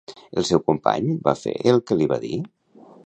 El seu company va fer el que li va dir?